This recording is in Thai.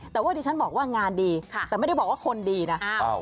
แต่ว่าดิฉันบอกว่างานดีแต่ไม่ได้บอกว่าคนดีนะ